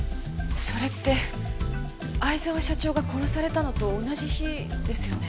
それって逢沢社長が殺されたのと同じ日ですよね？